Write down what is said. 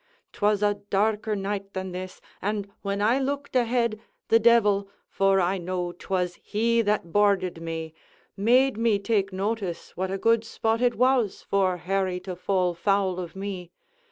'Twas a darker night than this, and when I looked ahead, the devil (for I know 'twas he that boarded me!) made me take notice what a good spot it was for Harry to fall foul of me.